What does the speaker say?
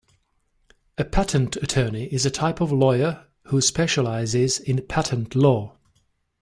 A patent attorney is a type of lawyer who specialises in patent law